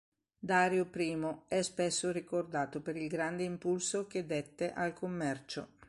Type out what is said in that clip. Dario I è spesso ricordato per il grande impulso che dette al commercio.